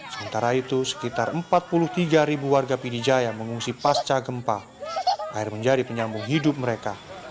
sementara itu sekitar empat puluh tiga ribu warga pidijaya mengungsi pasca gempa air menjadi penyambung hidup mereka